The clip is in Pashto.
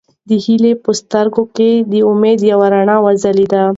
د هیلې په سترګو کې د امید یوه رڼا وځلېده.